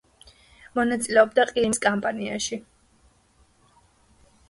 მონაწილეობდა ყირიმის კამპანიაში.